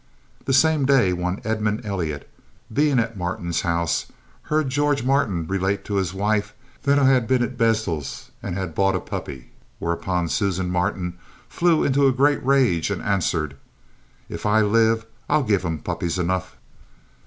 "The same day one Edmond Eliot, being at Martin's house, heard George Martin relate to his wife that I had been at Blezdel's and had bought a puppy. Whereupon Susanna Martin flew into a great rage and answered: "'If I live, I'll give him puppies enough!'